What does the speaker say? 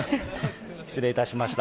失礼いたしました。